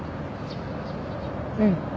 うん。